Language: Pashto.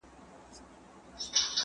فشار ته بې پروايي زیان لري.